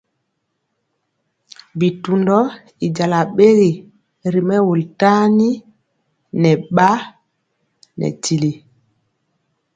Bitundɔ i jala ɓegi ri mɛwul tani nɛ ɓa nɛ tili.